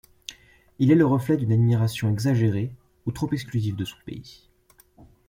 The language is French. Il est le reflet d'une admiration exagérée ou trop exclusive de son pays.